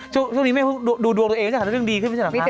ช่วงช่วงนี้แม่ดูดูตัวตัวเองด้วยค่ะเรื่องดีขึ้นไม่ใช่หรือครับ